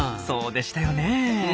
そうでしたよねえ！